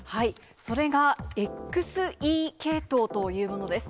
それがＸＥ系統というものです。